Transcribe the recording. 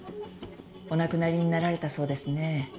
お亡くなりになられたそうですね。